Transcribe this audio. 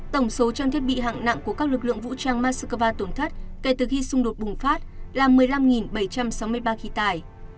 tổng số trang thiết bị hạng nặng của các lực lượng vũ trang moscow tổn thất kể từ khi xung đột bùng phát là một mươi năm bảy trăm sáu mươi ba khí tài